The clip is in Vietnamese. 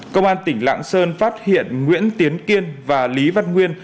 công an tỉnh lạng sơn phát hiện nguyễn tiến kiên và lý văn nguyên